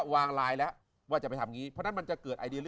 วางไลน์แล้วว่าจะไปทำอย่างนี้เพราะฉะนั้นมันจะเกิดไอเดีย